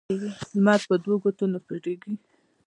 لمر په دوو ګوتو نه پټیږي